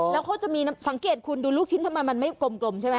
แล้วเขาจะมีสังเกตคุณดูลูกชิ้นทำไมมันไม่กลมใช่ไหม